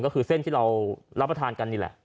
ก็คือเส้นที่เรารับประทานกันนี่แหละ